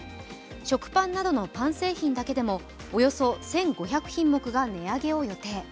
食パンなどのパン製品だけでもおよそ１５００品目が値上げを予定。